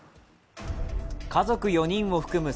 家族４人を含む